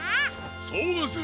そうですよ！